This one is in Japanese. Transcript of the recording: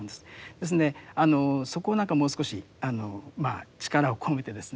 ですのでそこを何かもう少し力を込めてですね